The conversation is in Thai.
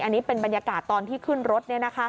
อันนี้เป็นบรรยากาศตอนที่ขึ้นรถ